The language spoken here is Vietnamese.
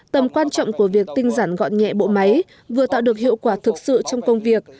tầm quan trọng của việc tinh giản gọn nhẹ bộ máy vừa tạo được hiệu quả thực sự trong công việc